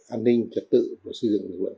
an ninh trật tự và xây dựng lực lượng